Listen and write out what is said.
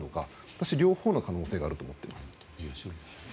私、両方の可能性があると思っています。